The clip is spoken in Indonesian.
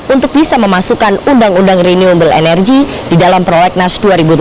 untuk bisa memasukkan undang undang renewable energy di dalam prolegnas dua ribu delapan belas